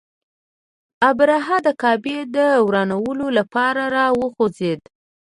ابرهه د کعبې د ورانولو لپاره را وخوځېد.